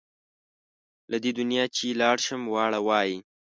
له دې دنیا چې لاړ شم واړه وايي.